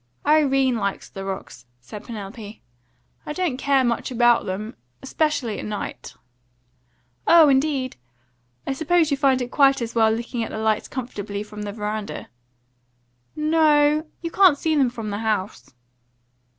"Irene likes the rocks," said Penelope. "I don't care much about them, especially at night." "Oh, indeed! I suppose you find it quite as well looking at the lights comfortably from the veranda." "No; you can't see them from the house."